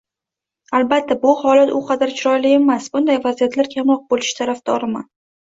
Albatta, bu holat u qadar chiroyli emas, bunday vaziyatlar kamroq bo‘lishi tarafdoriman.